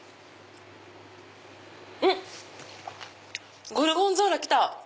うん！ゴルゴンゾーラ来た！